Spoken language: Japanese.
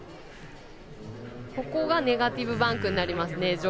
ここがネガティブバンクになります。